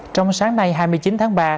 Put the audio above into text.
trong sáng nay hai mươi chín tháng ba